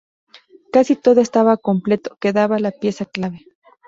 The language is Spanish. Casi todo estaba completo, quedaba la pieza clave.